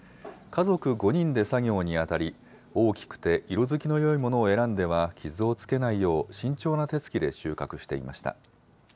家族５人で作業に当たり、大きくて色づきのよいものを選んでは傷をつけないよう、慎重な手つきで収穫していました。